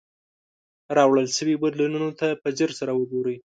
راوړل شوي بدلونونو ته په ځیر سره وګورئ.